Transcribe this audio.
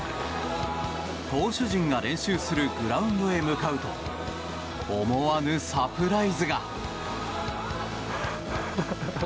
投手陣が練習するグラウンドへ向かうと思わぬサプライズが。